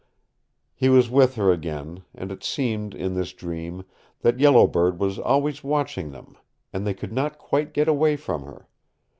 He was with her again and it seemed, in this dream, that Yellow Bird was always watching them, and they could not quite get away from her.